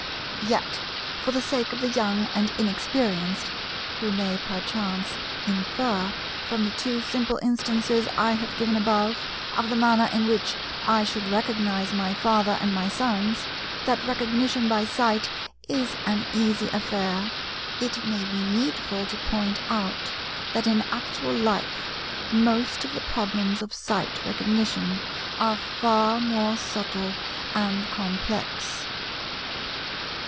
Yet for the sake of the young and inexperienced, who may perchance infer—from the two simple instances I have given above, of the manner in which I should recognize my Father and my Sons—that Recognition by sight is an easy affair, it may be needful to point out that in actual life most of the problems of Sight Recognition are far more subtle and complex.